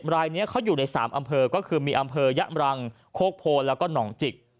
รายนี้เขาอยู่ใน๓อำเภอก็คือมีอำเภอยะมรังโคกโพนแล้วก็หนองจิก